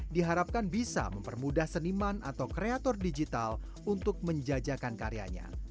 diharapkan bisa mempermudah seniman atau kreator digital untuk menjajakan karyanya